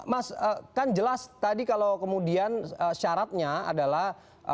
mas kan jelas tadi kalau kemudian syaratnya adalah